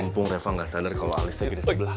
mumpung reva gak sadar kalau alisnya gede sebelah